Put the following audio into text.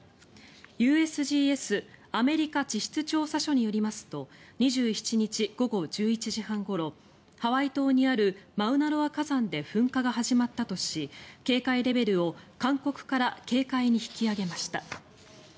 ＵＳＧＳ・アメリカ地質調査所によりますと２７日午後１１時半ごろハワイ島にあるマウナロア火山で噴火が始まったとし警戒レベルを勧告から警戒に引き上げました。